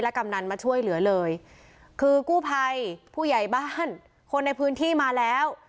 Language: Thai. กำนันมาช่วยเหลือเลยคือกู้ภัยผู้ใหญ่บ้านคนในพื้นที่มาแล้ว